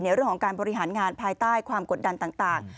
เรื่องของการบริหารงานภายใต้ความกดดันต่าง